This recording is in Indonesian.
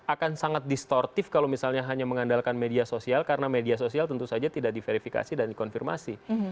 akan sangat distortif kalau misalnya hanya mengandalkan media sosial karena media sosial tentu saja tidak diverifikasi dan dikonfirmasi